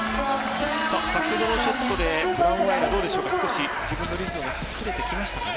先ほどのショットでどうでしょうか少し自分のリズムが作れてきましたかね。